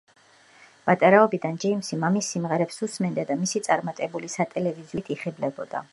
პატარაობიდან ჯეიმსი მამის სიმღერებს უსმენდა და მისი წარმატებული სატელევიზიო თუ კინოკარიერით იხიბლებოდა.